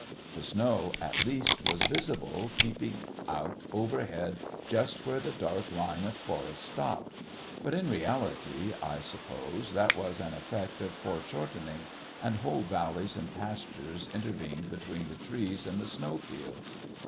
The snow at least was visible, peeping out far overhead just where the dark line of forest stopped; but in reality, I suppose, that was an effect of foreshortening, and whole valleys and pastures intervened between the trees and the snow fields.